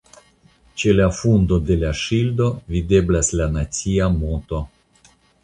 Ĉe la fundo de la ŝildo videblas la nacia moto.